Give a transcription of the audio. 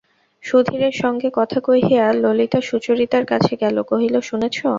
সুধীরের সঙ্গে কথা কহিয়া ললিতা সুচরিতার কাছে গেল, কহিল, শুনেছ?